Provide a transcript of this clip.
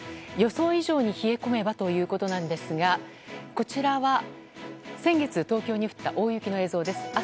予想以上に冷え込めばということなんですが、こちらは、先月、東京に降った大雪の映像です。